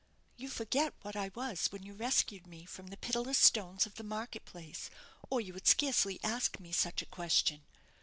"You forget what I was when you rescued me from the pitiless stones of the market place, or you would scarcely ask me such a question.